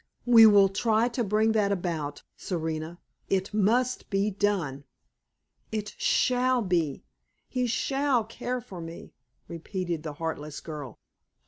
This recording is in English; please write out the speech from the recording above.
We will try to bring that about, Serena. It must be done!" "It shall be! He shall care for me!" repeated the heartless girl.